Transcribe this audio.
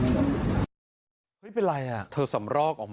พระอาจารย์ออสบอกว่าอาการของคุณแป๋วผู้เสียหายคนนี้อาจจะเกิดจากหลายสิ่งประกอบกัน